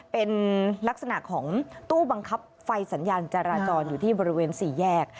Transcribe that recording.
เป็นลักษณะของตู้บังคับไฟสัญญาณจราจรอยู่ที่บริเวณ๔แยก